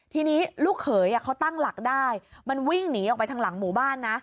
ทีนี้ลูกเขยเขาตั้งหลักได้มันวิ่งหนีออกไปทางหลังหมู่บ้านนะ